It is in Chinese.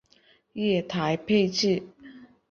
月台配置